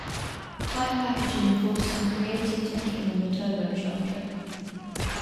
Tight packaging forced some creative thinking on the turbocharger.